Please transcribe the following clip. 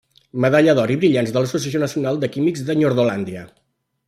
Medalla d'Or i Brillants de l'Associació Nacional de Químics d'Espanya.